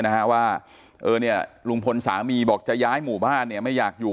นะฮะว่าเออเนี่ยลุงพลสามีบอกจะย้ายหมู่บ้านเนี่ยไม่อยากอยู่